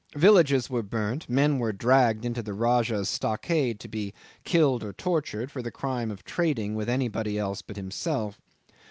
Villages were burnt, men were dragged into the Rajah's stockade to be killed or tortured for the crime of trading with anybody else but himself.